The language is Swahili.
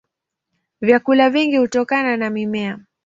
Vyakula vingi hutokana na mimea.